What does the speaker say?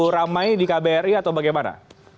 ramai di kbri atau bagaimana